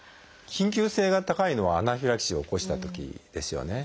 緊急性が高いのはアナフィラキシーを起こしたときですよね。